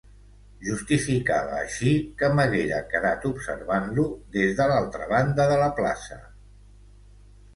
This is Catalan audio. Justificava així que m'haguera quedat observant-lo des de l'altra banda de la plaça...